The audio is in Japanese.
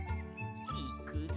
いくぞ。